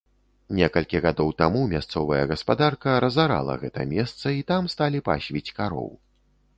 Некалькі гадоў таму мясцовая гаспадарка разарала гэта месца і там сталі пасвіць кароў.